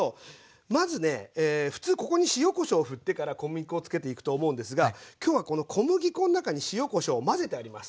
まずね普通ここに塩こしょうふってから小麦粉をつけていくと思うんですが今日はこの小麦粉の中に塩こしょうを混ぜてあります。